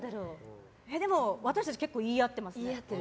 でも私たち結構、言い合ってますね。